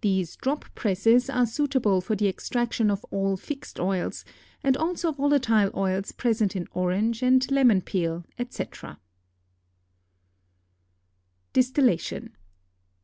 These drop presses are suitable for the extraction of all fixed oils and also volatile oils present in orange and lemon peel, etc. DISTILLATION.